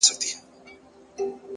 د عمل قوت شک ماتوي!